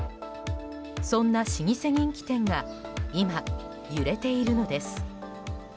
そんな老舗人気店が今、揺れているのです。